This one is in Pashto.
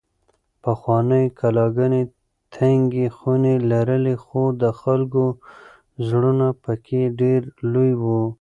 پخوانۍ کلاګانې تنګې خونې لرلې خو د خلکو زړونه پکې ډېر لوی وو.